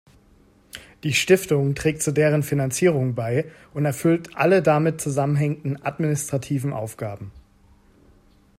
Die Stiftung trägt zu deren Finanzierung bei und erfüllt alle damit zusammenhängenden administrativen Aufgaben.